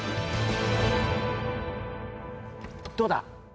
どうだ？